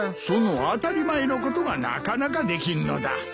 その当たり前のことがなかなかできんのだ。